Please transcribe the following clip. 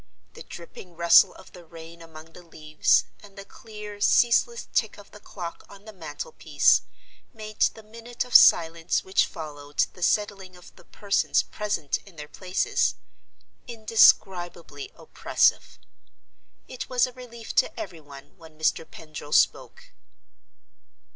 The dripping rustle of the rain among the leaves, and the clear, ceaseless tick of the clock on the mantel piece, made the minute of silence which followed the settling of the persons present in their places indescribably oppressive. It was a relief to every one when Mr. Pendril spoke.